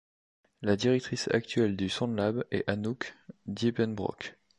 La directrice actuelle du Sound Lab est Anouk Diepenbroek.